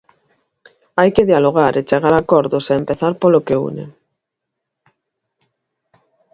Hai que dialogar e chegar a acordos e empezar polo que une.